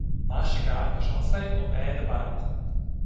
Maša gāja pa šoseju un ēda baranku.